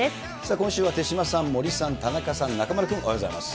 今週は手嶋さん、森さん、田中さん、中丸君、おはようございます。